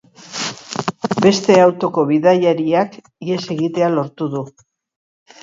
Beste autoko bidaiariak ihes egitea lortu du.